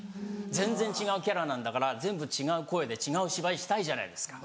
全然違うキャラなんだから全部違う声で違う芝居したいじゃないですか。